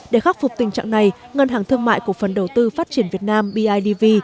để khắc phục tình trạng này ngân hàng thương mại cổ phần đầu tư phát triển việt nam bidv